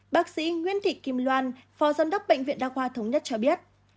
bác sĩ nguyễn thị kim loan phó giám đốc bệnh viện đa khoa thống nhất cho biết